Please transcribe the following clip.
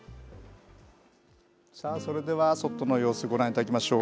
それでは外の様子、ご覧いただきましょう。